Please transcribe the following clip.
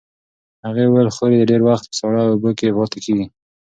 هغې وویل خور یې ډېر وخت په ساړه اوبو کې پاتې کېږي.